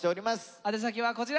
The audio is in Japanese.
宛先はこちら。